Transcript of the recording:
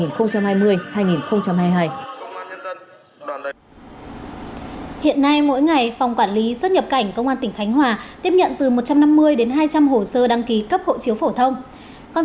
hiện nay mỗi ngày phòng quản lý xuất nhập cảnh công an tỉnh khánh hòa tiếp nhận từ một trăm năm mươi đến hai trăm linh hồ sơ đăng ký cấp hộ chiếu phổ thông